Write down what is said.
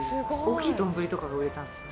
大きい丼とかが売れたんです。